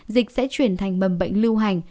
dịch sẽ chuyển thành mầm bệnh lưu hành